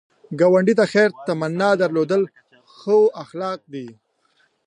ګاونډي ته د خیر تمنا درلودل ښو اخلاق دي